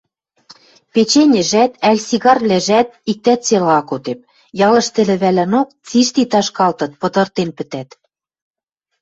Печеньӹжӓт ӓль сигарвлӓжӓт иктӓт цела ак кодеп, ялышты лӹвӓлӓнок цишти ташкалтыт пыдыртен пӹтӓт...